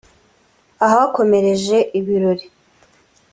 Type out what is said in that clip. ahakomereje ibirori